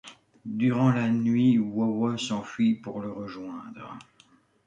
Durant la nuit, Wawa s'enfuit pour le rejoindre.